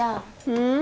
うん？